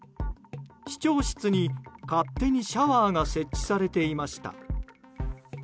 市長室に勝手にシャワーが設置されていました。